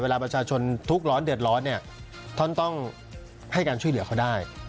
ประชาชนทุกข์ร้อนเดือดร้อนเนี่ยท่านต้องให้การช่วยเหลือเขาได้